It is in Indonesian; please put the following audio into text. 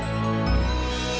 jadi apa todane